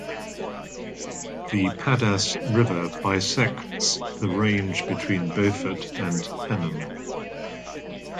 The Padas River bisects the range between Beaufort and Tenom.